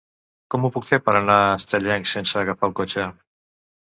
Com ho puc fer per anar a Estellencs sense agafar el cotxe?